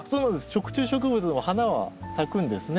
食虫植物も花は咲くんですね。